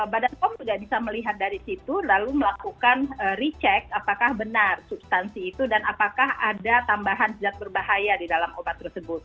badan pom juga bisa melihat dari situ lalu melakukan recheck apakah benar substansi itu dan apakah ada tambahan zat berbahaya di dalam obat tersebut